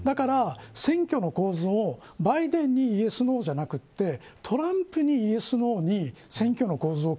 選挙の構図をバイデンにイエス、ノーじゃなくてトランプにイエス、ノーに選挙の構造を